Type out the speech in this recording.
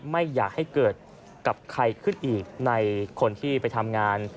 ไม่อยากให้เกิดกับใครขึ้นอีกในคนที่ไปทำงาน